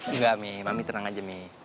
enggak mi mami tenang aja mi